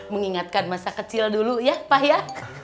mengingatkan masa kecil dulu ya pak ya